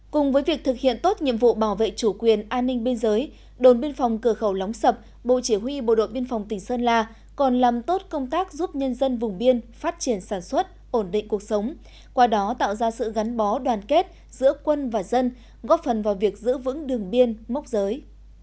cùng với việc thực hiện tốt nhiệm vụ bảo vệ chủ quyền an ninh biên giới đồn biên phòng cửa khẩu lóng sập bộ chỉ huy bộ đội biên phòng tỉnh sơn la còn làm tốt công tác giúp nhân dân vùng biên phát triển sản xuất ổn định cuộc sống qua đó tạo ra sự gắn bó đoàn kết giữa quân và dân góp phần vào việc giữ vững đường biên mốc giới